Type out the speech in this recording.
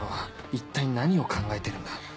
一体何を考えてるんだ？